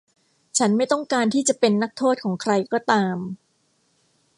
ฉันไม่ต้องการที่จะเป็นนักโทษของใครก็ตาม